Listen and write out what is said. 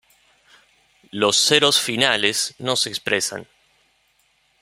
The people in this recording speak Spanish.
Los ceros finales no se expresan.